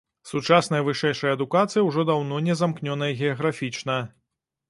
Сучасная вышэйшая адукацыя ўжо даўно не замкнёная геаграфічна.